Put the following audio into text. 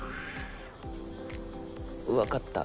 わかった。